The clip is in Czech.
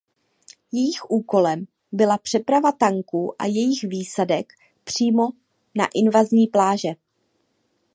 Jejich úkolem byla přeprava tanků a jejich výsadek přímo na invazní pláže.